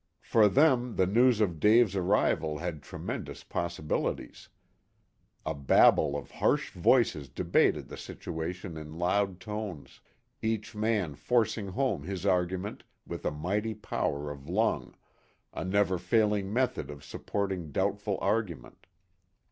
For them the news of Dave's arrival had tremendous possibilities. A babel of harsh voices debated the situation in loud tones, each man forcing home his argument with a mighty power of lung, a never failing method of supporting doubtful argument.